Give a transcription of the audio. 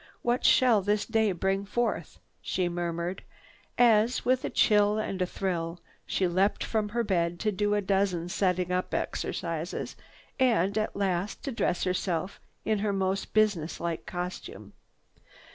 "What shall this day bring forth?" she murmured as, with a chill and a thrill, she leaped from her bed to do a dozen setting up exercises, and at last to dress herself in her most business like costume.